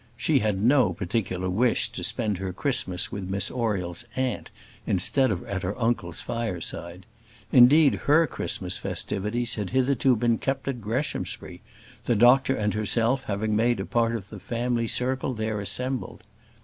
She had no particular wish to spend her Christmas with Miss Oriel's aunt instead of at her uncle's fireside. Indeed, her Christmas festivities had hitherto been kept at Greshamsbury, the doctor and herself having made a part of the family circle there assembled.